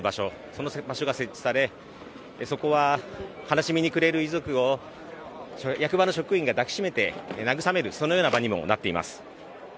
その場所が設置されそこは悲しみに暮れる遺族を役場の職員が抱きしめて慰めるそのような場にもなっています